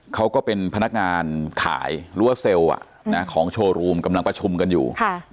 เขาก็เป็นพนักงานขายรั้วเซลล์ของโชว์รูมกำลังประชุมกันอยู่